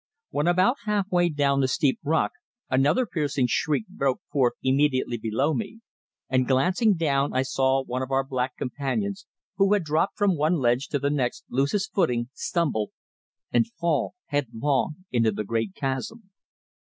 When about half way down the steep rock another piercing shriek broke forth immediately below me, and glancing down I saw one of our black companions who had dropped from one ledge to the next lose his footing, stumble, and fall headlong into the great chasm.